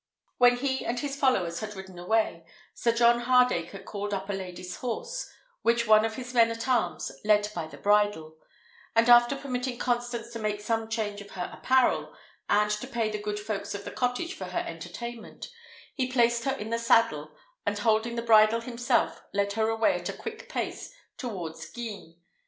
When he and his followers had ridden away, Sir John Hardacre called up a lady's horse, which one of his men at arms led by the bridle; and after permitting Constance to make some change of her apparel, and to pay the good folks of the cottage for her entertainment, he placed her in the saddle, and holding the bridle himself, led her away at a quick pace towards Guisnes.